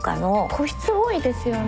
個室多いですよね。